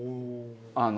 あの。